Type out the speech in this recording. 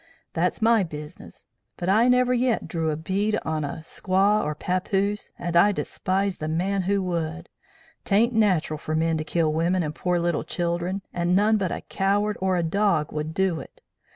That's my business. But I never yit drew a bead on a squaw or papoose, and I despise the man who would. 'Taint nateral for men to kill women and pore little children, and none but a coward or a dog would do it.